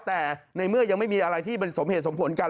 แต่ในเมื่อยังไม่มีอะไรที่มันสมเหตุสมผลกัน